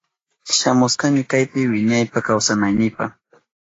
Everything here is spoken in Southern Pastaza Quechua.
Shamushkani kaypi wiñaypa kawsanaynipa.